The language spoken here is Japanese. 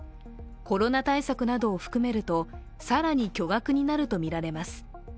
コロナ対策などを含めると更に巨額になるとみられます。